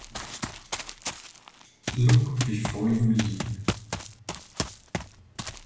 Look before you leap.